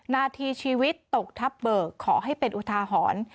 นาทีชีวิตตกทับเบิกขอให้เป็นอุทาหรณ์